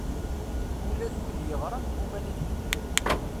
Ula d wid yeɣran gguman ad beddlen.